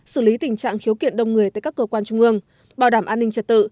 xử lý tình trạng khiếu kiện đông người tại các cơ quan trung ương bảo đảm an ninh trật tự